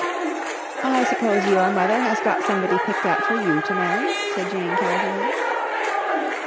"I suppose your mother has got somebody picked out for you to marry?" said Jane casually.